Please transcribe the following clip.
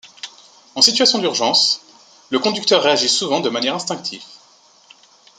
En situation d'urgence, le conducteur réagit souvent de manière instinctive.